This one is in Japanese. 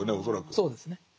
そうですね。